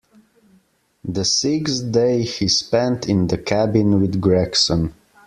The sixth day he spent in the cabin with Gregson.